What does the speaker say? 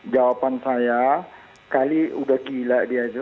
jawaban saya kali udah gila dia